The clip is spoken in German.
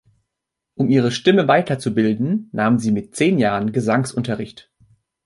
Um ihre Stimme weiterzubilden, nahm sie mit zehn Jahren Gesangsunterricht.